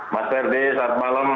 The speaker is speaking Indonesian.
mas herdi selamat malam